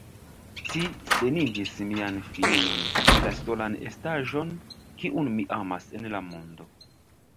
Ci senigis mian filinon, la solan estaĵon, kiun mi amas en la mondo.